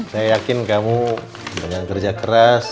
saya yakin kamu dengan kerja keras